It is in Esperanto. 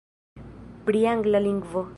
Pri angla lingvo.